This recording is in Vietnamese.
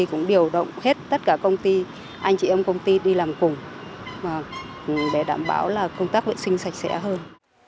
cũng điều động hết tất cả công ty anh chị em công ty đi làm cùng để đảm bảo là công tác vệ sinh sạch sẽ hơn